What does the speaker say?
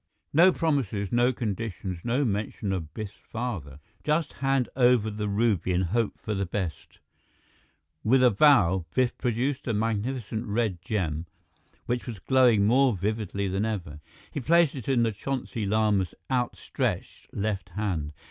No promises, no conditions, no mention of Biff's father. Just hand over the ruby and hope for the best. With a bow, Biff produced the magnificent red gem, which was glowing more vividly than ever. He placed it in the Chonsi Lama's outstretched left hand.